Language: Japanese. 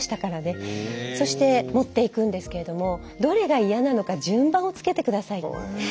そして持っていくんですけれどもどれが嫌なのか順番をつけて下さいって。